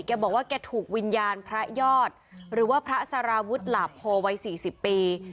แกบอกว่าแกถูกวิญญาณพระยอดหรือว่าพระสารวุฒิหลาโพวัย๔๐ปี